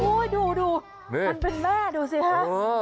โอ้ยดูมันเป็นแม่ดูสิฮะ